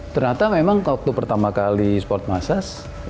ternyata memang waktu pertama kali sport massage